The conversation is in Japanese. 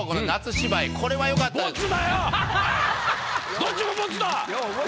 どっちもボツだ！